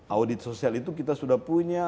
audit sosial itu kita sudah punya